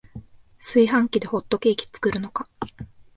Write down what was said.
炊飯器でホットケーキ作るのか